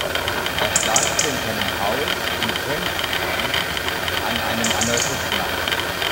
Er starb in seinem Haus in Princeton an einem Aneurysma.